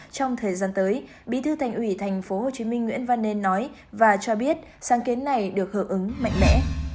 trong thời gian tới bí thư thành ủy tp hcm nguyễn văn nên nói và cho biết sáng kiến này được hưởng ứng mạnh mẽ